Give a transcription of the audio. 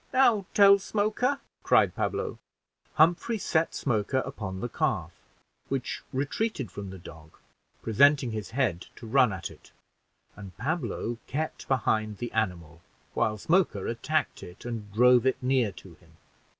"Now tell Smoker," cried Pablo. Humphrey set Smoker upon the calf, which retreated from the dog, presenting his head to run at it; and Pablo kept behind the animal, while Smoker attacked it, and drove it near to him.